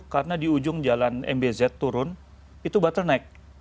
karena di ujung jalan mbz turun itu bottleneck